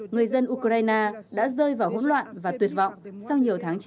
người dân ukraine đã rơi vào hỗn loạn và tuyệt vọng